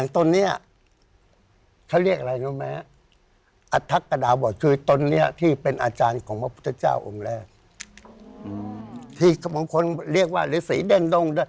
ที่บางคนเรียกว่าฤษีเด้นตรง